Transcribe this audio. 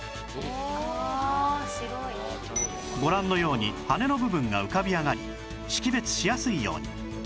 「ああ白い」ご覧のように羽根の部分が浮かび上がり識別しやすいように